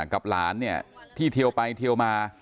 กับหลานเนี่ยที่เทียวไปเทียวมา